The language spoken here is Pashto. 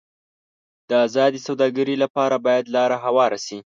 د ازادې سوداګرۍ لپاره باید لار هواره شي.